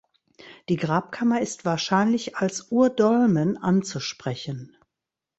Die Grabkammer ist wahrscheinlich als Urdolmen anzusprechen.